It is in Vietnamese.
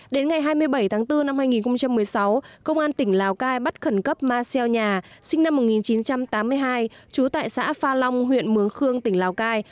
đến ngày hai mươi bảy tháng bốn năm hai nghìn một mươi sáu công an tỉnh lào cai bắt khẩn cấp ma xeo nhà sinh năm một nghìn chín trăm tám mươi hai trú tại xã pha long huyện mường khương tỉnh lào cai